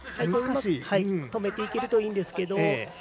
回転をうまく止めていけるといいんですけど。